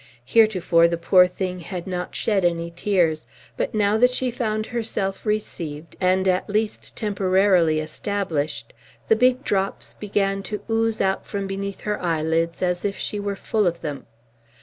Heretofore the poor thing had not shed any tears; but now that she found herself received, and at least temporarily established, the big drops began to ooze out from beneath her eyelids as if she were full of them.